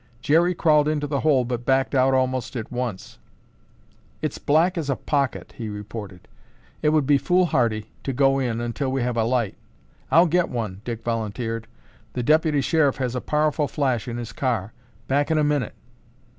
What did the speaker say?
Jerry crawled into the hole but backed out almost at once. "It's black as a pocket," he reported. "It would be foolhardy to go in until we have a light." "I'll get one," Dick volunteered. "The Deputy Sheriff has a powerful flash in his car. Back in a minute."